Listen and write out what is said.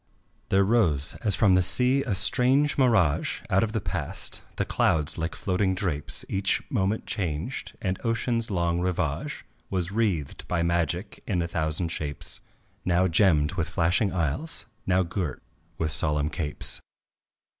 There rose as from the sea a strange mirage Out of the past; the clouds like floating drapes Each moment changed, and ocean's long rivage Was wreathed by magic in a thousand shapes, Now gemmed with flashing isles, now girt with solemn capes.